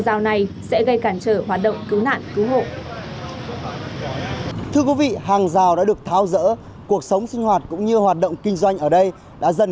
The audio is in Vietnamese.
quay kín tòa nhà ảnh hưởng đến đời sống sinh hoạt cũng như hoạt động kinh doanh của các hộ dân